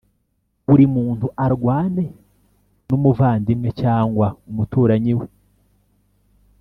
buri muntu arwane n’umuvandimwe cyangwa umuturanyi we,